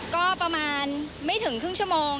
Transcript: ก็ประมาณไม่ถึงครึ่งชั่วโมง